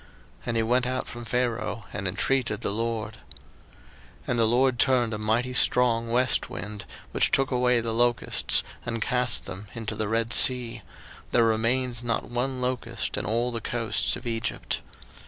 02:010:018 And he went out from Pharaoh, and intreated the LORD. 02:010:019 And the LORD turned a mighty strong west wind, which took away the locusts, and cast them into the Red sea; there remained not one locust in all the coasts of Egypt.